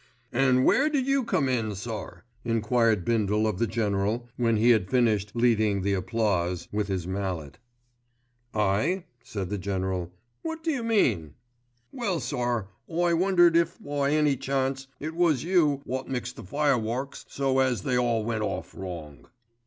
"An' where did you come in, sir?" enquired Bindle of the General, when he had finished "leading the applause" with his mallet. "I?" said the General, "What do you mean?" "Well, sir, I wondered if by any chance it was you wot mixed the fireworks so as they all went off wrong."